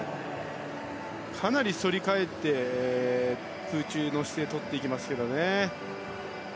かなり反り返って空中姿勢をとっていますね。